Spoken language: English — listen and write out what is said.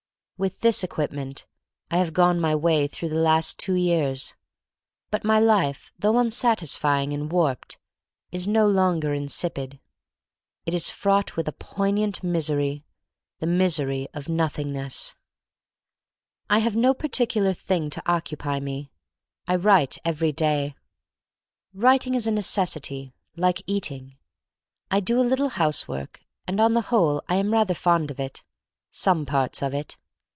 With this equipment I have gone my way through the last two years. But my life, though unsatisfying and warped, is no longer insipid. It is fraught with a poignant misery'— the misery of nothingness. I have no particular thing to occupy lO THE STORY OF MARY MAC LANE me. I write every day. Writing is a necessity — like eating. I do a little housework, and on the whole I am rather fond of it — some parts of it.